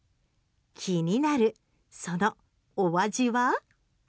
気になる、そのお味は。